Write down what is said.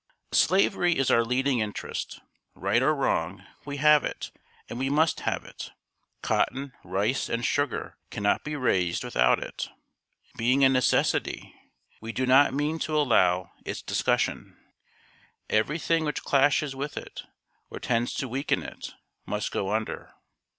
] "Slavery is our leading interest. Right or wrong, we have it and we must have it. Cotton, rice, and sugar cannot be raised without it. Being a necessity, we do not mean to allow its discussion. Every thing which clashes with it, or tends to weaken it, must go under.